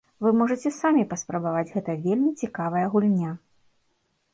Вы можаце самі паспрабаваць, гэта вельмі цікавая гульня!